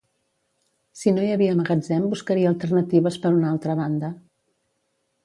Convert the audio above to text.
Si no hi havia magatzem buscaria alternatives per una altra banda